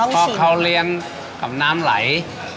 เพราะเขาเลี้ยงกับน้ำไหล